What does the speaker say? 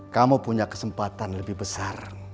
kamu punya kesempatan lebih besar